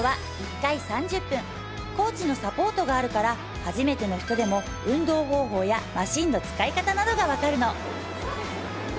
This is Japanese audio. コーチのサポートがあるから初めての人でも運動方法やマシンの使い方などがわかるの